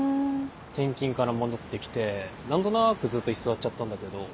転勤から戻ってきて何となくずっと居座っちゃったんだけど。